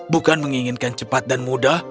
bukan menginginkan cepat dan mudah